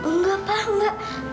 nggak pa nggak